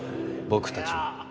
僕たちも。